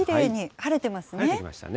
晴れてきましたね。